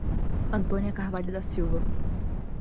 Antônia Carvalho da Silva